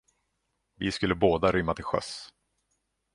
Vi skulle båda rymma till sjöss.